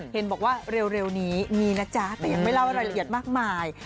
เห็นบอกว่าเร็วนี้มีนะจ๊ะแต่ยังไม่เล่ารายละเอียดมากมาย